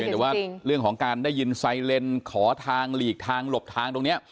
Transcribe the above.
แต่ว่าเรื่องของการได้ยินไซเลนขอทางหลีกทางหลบทางตรงนี้